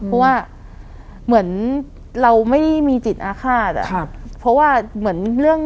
เพราะว่าเหมือนเราไม่ได้มีจิตอาฆาตอ่ะครับเพราะว่าเหมือนเรื่อง